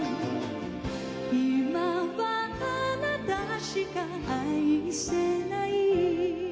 「いまはあなたしか愛せない」